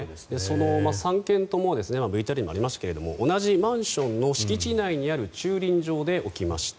その３件ともＶＴＲにありましたが同じマンションの敷地内にある駐輪場で起きました。